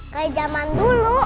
kayak zaman dulu